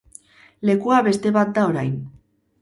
Lekua beste bat da orain.